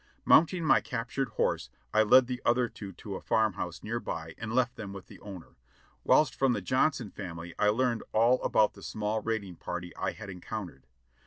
Mounting my captured horse, I led the other two to a farm house near by and left them with the owner, whilst from the Johnson family I learned all about the small raiding party I had encountered.